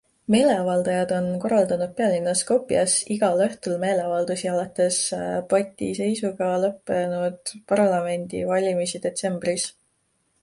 Meeleavaldajad on korraldanud pealinnas Skopjes igal õhtul meeleavaldusi alates patiseisuga lõppenud parlamendivalimisi detsembris.